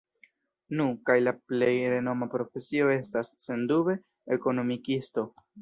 Nu, kaj la plej renoma profesio estas, sendube, Ekonomikisto.